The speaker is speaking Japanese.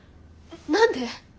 何で？